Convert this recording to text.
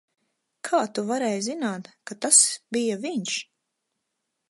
Kā tu varēji zināt, ka tas bija viņš?